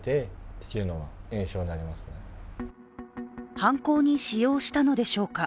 犯行に使用したのでしょうか。